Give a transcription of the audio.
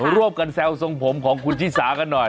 ร่วมกันแซวทรงผมของคุณชิสากันหน่อย